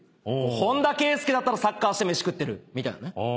本田圭佑だったらサッカーして飯食ってるみたいなね。